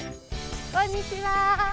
こんにちは。